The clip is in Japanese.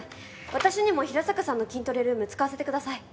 私にも平坂さんの筋トレルーム使わせてください。